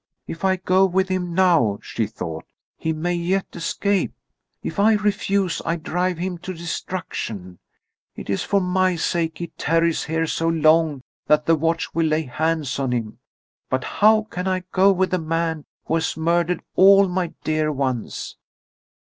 "If I go with him now," she thought, "he may yet escape. If I refuse, I drive him to destruction. It is for my sake he tarries here so long that the watch will lay hands on him. But how can I go with the man who has murdered all my dear ones?"